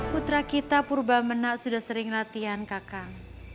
putra kita purba menak sudah sering latihan kakang